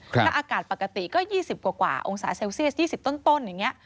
ถ้าอากาศปกติก็๒๐กว่าองศาเซลเซียส๒๐ต้นอย่างนี้